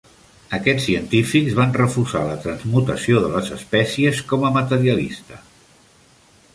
Aquests científics van refusar la transmutació de les espècies com a materialista.